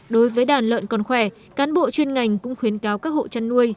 đối với đàn lợn còn khỏe cán bộ chuyên ngành cũng khuyến cáo các hộ chăn nuôi